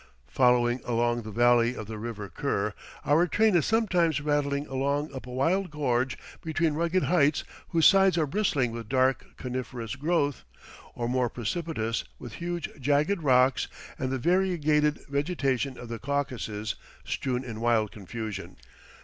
Following along the valley of the River Kur, our train is sometimes rattling along up a wild gorge between rugged heights whose sides are bristling with dark coniferous growth, or more precipitous, with huge jagged rocks and the variegated vegetation of the Caucasus strewn in wild confusion.